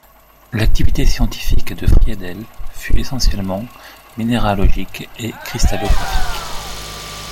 L'activité scientifique de Friedel fut essentiellement minéralogique et cristallographique.